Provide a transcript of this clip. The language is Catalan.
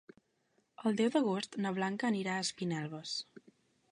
El deu d'agost na Blanca anirà a Espinelves.